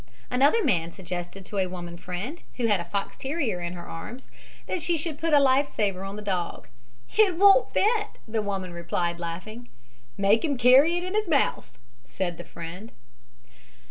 Another man suggested to a woman friend, who had a fox terrier in her arms, that she should put a life saver on the dog. "It won't fit," the woman replied, laughing. "Make him carry it in his mouth," said the friend.